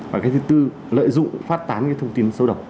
và thứ tư lợi dụng phát tán thông tin sâu độc